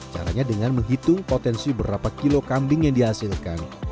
caranya dengan menghitung potensi berapa kilo kambing yang dihasilkan